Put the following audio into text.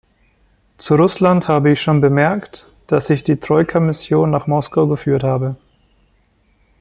Zu Russland habe ich schon bemerkt, dass ich die Troika-Mission nach Moskau geführt habe.